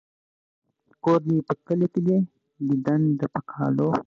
ـ کور دې په کلي کې دى ديدن د په کالو.